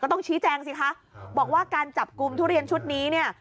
ต้องชี้แจงสิคะบอกว่าการจับกลุ่มทุเรียนชุดนี้เนี่ย